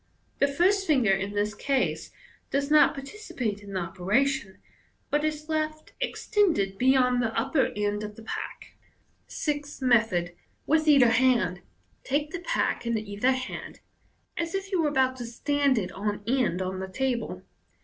The first finger in this case does not participate in the operation, but is left extended beyond the upper end of th«* pack. Sixth Method. (With either hand.) — Take the pack in either hand, as if you were about to stand it on end on the table, the Fig.